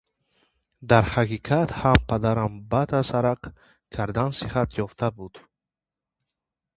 Дар ҳақиқат ҳам падарам баъд аз арақ кардан сиҳат ёфта буд.